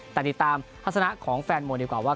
แต่ติดตามทัศนะของแฟนมวยดีกว่าว่า